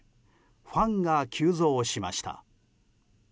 ファンが急増しました。